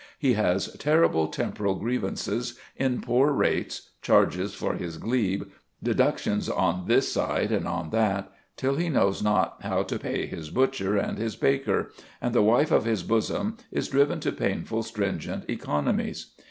He has terrible temporal grievances in poor rates, charges for his glebe, deductions on this side and on that, till he knows not how to pay his butcher and his baker, and the wife of his bosom is driven to painful, stringent economies.